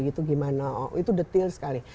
gitu gimana itu detail sekali